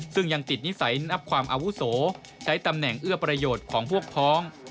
ซึ่งยังติดนิสัยนับความอาวุโสใช้ตำแหน่งเอื้อประโยชน์ของพวกพ้อง